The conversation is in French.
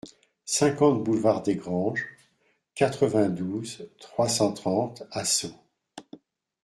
cinquante boulevard Desgranges, quatre-vingt-douze, trois cent trente à Sceaux